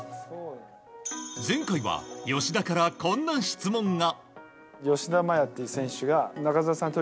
前回は吉田からこんな質問が。